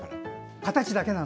形だけ。